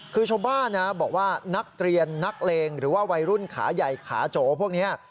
คือชาวบ้านนะบอกว่านักเรียนนักเลงหรือว่าวัยรุ่นขาใหญ่ขาโจพวกนี้